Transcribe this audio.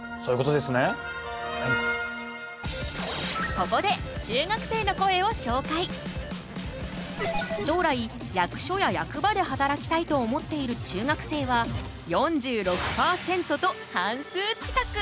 ここで将来役所や役場で働きたいと思っている中学生は４６％と半数近く。